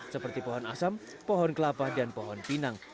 seperti pohon asam pohon kelapa dan pohon pinang